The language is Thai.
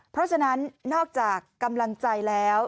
เพราะฉะนั้นนอกจากกำลังใจแล้ว